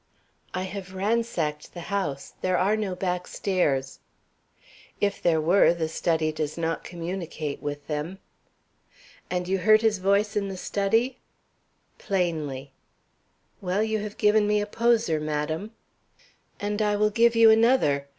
"I have ransacked the house; there are no back stairs." "If there were, the study does not communicate with them." "And you heard his voice in the study?" "Plainly." "Well, you have given me a poser, madam." "And I will give you another.